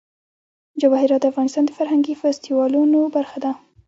جواهرات د افغانستان د فرهنګي فستیوالونو برخه ده.